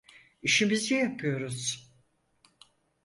İşimizi yapıyoruz.